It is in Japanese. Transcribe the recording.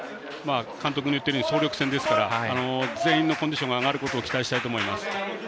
監督の言っているとおり総力戦ですから全員のコンディションが期待したいと思います。